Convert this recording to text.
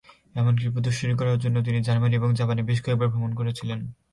এমনকি প্রদর্শনী করার জন্য তিনি জার্মানি এবং জাপানে বেশ কয়েকবার ভ্রমণ করেছিলেন।